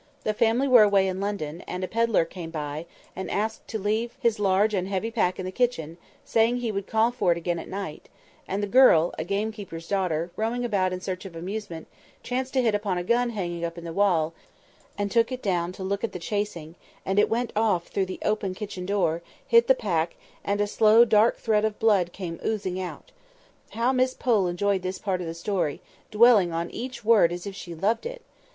The family were away in London, and a pedlar came by, and asked to leave his large and heavy pack in the kitchen, saying he would call for it again at night; and the girl (a gamekeeper's daughter), roaming about in search of amusement, chanced to hit upon a gun hanging up in the hall, and took it down to look at the chasing; and it went off through the open kitchen door, hit the pack, and a slow dark thread of blood came oozing out. (How Miss Pole enjoyed this part of the story, dwelling on each word as if she loved it!)